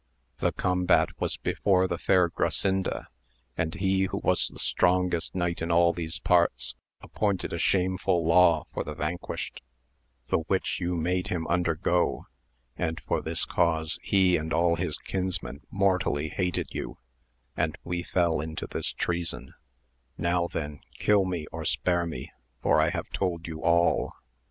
The combat was before the fair Grasinda, and he who was the strongest knight in all these parts, appointed a shameful law for the van quished, the which you made him undergo, and for this cause he and all his kinsmen mortally hated you, and we fell into this treason ; now then kill me or spare me, for I have told you all.